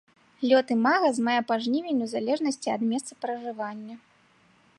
Лёт імага з мая па жнівень у залежнасці ад месцапражывання.